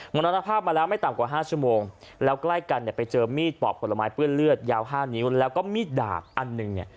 หมดอณภาพมาแล้วไม่ต่ำกว่า๕ชั่วโมงแล้วใกล้กันไปเจอมีดปอบผลไม้เปื้อนเลือดยาว๕นิ้วแล้วก็มีดดากอันนึง